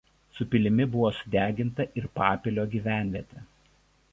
Su pilimi buvo sudeginta ir papilio gyvenvietė.